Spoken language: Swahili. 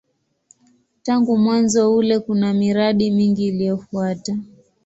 Tangu mwanzo ule kuna miradi mingi iliyofuata.